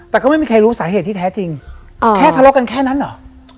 แต่ก็ไม่มีใครรู้สาเหตุที่แท้จริงแค่ทะเลาะกันแค่นั้นเหรอ